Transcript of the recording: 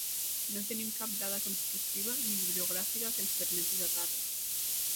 No tenim cap dada constructiva ni bibliogràfica que ens permeti datar-la.